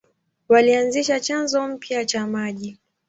Walianzisha chanzo mpya cha maji.